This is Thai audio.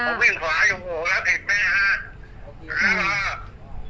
ผมวิ่งขวาอยู่แล้วเห็นมั้ยฮะแล้วพอไปที่น้องก็ไปปล่อยฟุรีศาสตร์แล้วก็ถูกผม